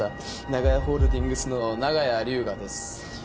長屋ホールディングスの長屋龍河です。